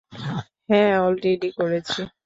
হ্যাঁ, অলরেডি করেছি।